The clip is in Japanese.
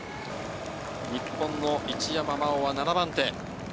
日本の一山麻緒は７番手。